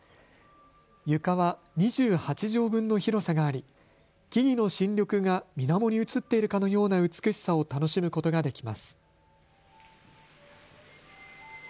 床は２８畳分の広さがあり木々の新緑がみなもに映っているかのような美しさを楽しむことができます。